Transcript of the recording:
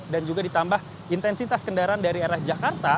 dan juga ditambah intensitas kendaraan dari arah jakarta